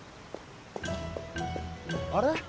あれ？